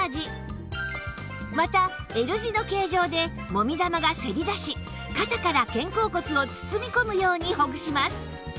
また Ｌ 字の形状でもみ玉がせり出し肩から肩甲骨を包み込むようにほぐします